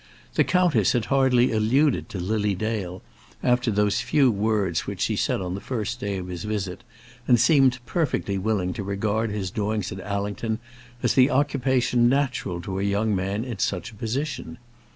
The countess had hardly alluded to Lily Dale after those few words which she said on the first day of his visit, and seemed perfectly willing to regard his doings at Allington as the occupation natural to a young man in such a position.